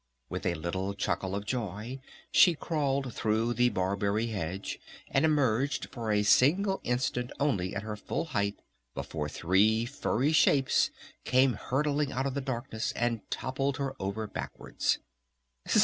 With a little chuckle of joy she crawled through the Barberry hedge and emerged for a single instant only at her full height before three furry shapes came hurtling out of the darkness and toppled her over backwards.